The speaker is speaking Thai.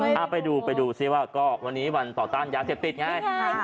เอาไปดูไปดูซิว่าก็วันนี้วันต่อต้านยาเสพติดไง